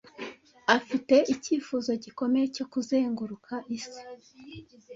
Afite icyifuzo gikomeye cyo kuzenguruka isi.